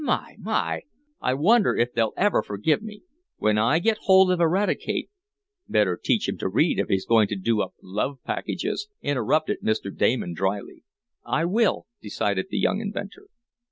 My! My! I wonder if they'll ever forgive me. When I get hold of Eradicate " "Better teach him to read if he's going to do up love packages," interrupted Mr. Damon, dryly. "I will," decided the young inventor.